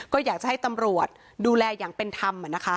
ก็อยากจะให้ตำรวจดูแลอย่างเป็นธรรม